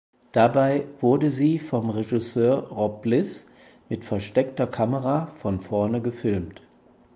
Dabei wurde sie vom Regisseur Rob Bliss mit versteckter Kamera von vorne gefilmt.